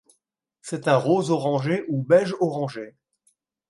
C'est un rose-orangé ou beige-orangé.